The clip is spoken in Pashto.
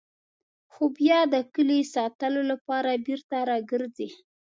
خو بیا د کلي ساتلو لپاره بېرته راګرځي.